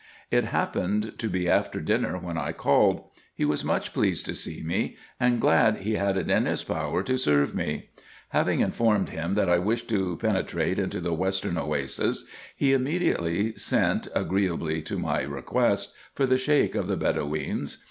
It happened to be after dinner when I called. He was much pleased to see me, and glad he had it in his power to 3 E 394 RESEARCHES AND OPERATIONS serve me. Having informed him that I wished to penetrate into the western Oasis, he immediately sent, agreeably to my request, for the Sheik of the Bedoweens.